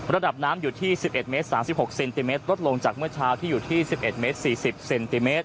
ระดับน้ำอยู่ที่สิบเอ็ดเมตรสามสิบหกเซนติเมตรลดลงจากเมื่อเช้าที่อยู่ที่สิบเอ็ดเมตรสี่สิบเซนติเมตร